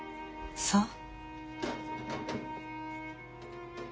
そう。